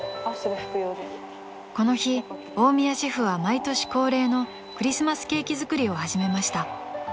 ［この日大宮シェフは毎年恒例のクリスマスケーキ作りを始めました］